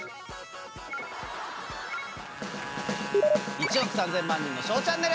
『１億３０００万人のＳＨＯＷチャンネル』！